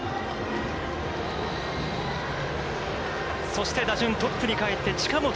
そして打順トップにかえって近本。